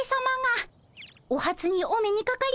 おはつにお目にかかります。